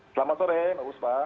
selamat sore mbak buspa